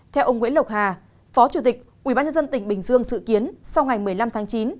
theo ông nguyễn lộc hà phó chủ tịch ubnd tỉnh bình dương dự kiến sau ngày một mươi năm tháng chín